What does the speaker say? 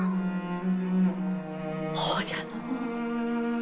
ほうじゃのう。